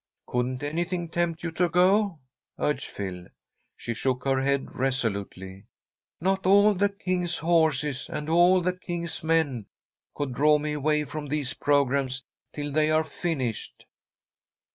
"Couldn't anything tempt you to go?" urged Phil. She shook her head resolutely. "'Not all the king's horses and all the king's men' could draw me away from these programmes till they are finished."